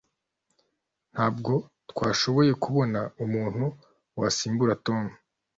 Ntabwo twashoboye kubona umuntu wasimbura Tom.